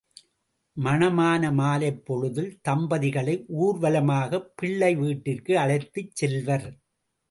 மணமான மாலைப்பொழுதில் தம்பதிகளை ஊர்வலமாகப் பிள்ளை வீட்டிற்கு அழைத்துச் செல்வர்.